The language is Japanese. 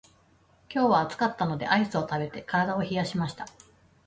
今日は暑かったのでアイスを食べて体を冷やしました。